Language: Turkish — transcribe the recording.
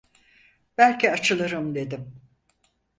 Belki açılırım dedim.